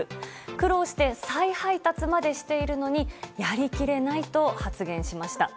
苦労して再配達までしているのにやりきれないと発言しました。